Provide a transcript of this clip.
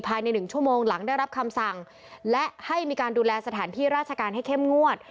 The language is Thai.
หนึ่งชั่วโมงหลังได้รับคำสั่งและให้มีการดูแลสถานที่ราชการให้เข้มงวด